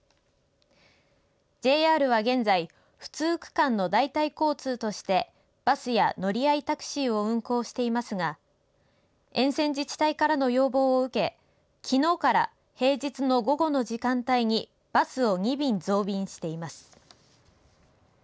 ＪＲは現在不通区間の代替交通としてバスや乗り合いタクシーを運行していますが沿線自治体からの要望を受けきのうから平日の午後の時間帯にバスを２便増便しています。